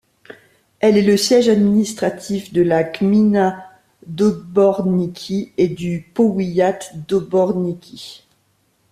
Elle est le siège administratif de la gmina d'Oborniki et du powiat d'Oborniki.